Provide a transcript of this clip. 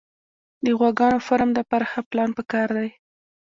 د غواګانو فارم دپاره ښه پلان پکار دی